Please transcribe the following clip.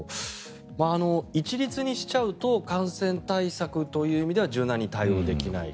一律にしちゃうと感染対策という意味では柔軟に対応できない。